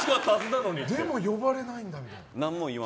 でも呼ばれないんだよみたいな。